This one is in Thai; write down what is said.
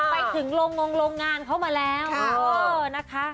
ไปถึงโรงงานเขามาแล้วนะคะ